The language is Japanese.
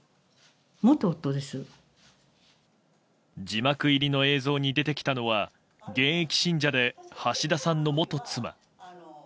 字幕入りの映像に出てきたのは現役信者で橋田さんの元妻。